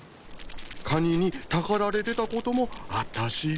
カニにたかられてたこともあったし。